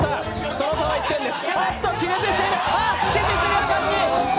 その差は１点です。